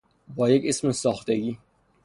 با یک اسم ساختگی